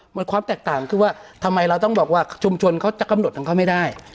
มันความแตกต่างคือว่าทำไมเราต้องบอกว่าชุมชนเขาจะกำหนดของเขาไม่ได้